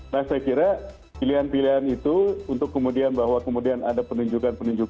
nah saya kira pilihan pilihan itu untuk kemudian bahwa kemudian ada penunjukan penunjukan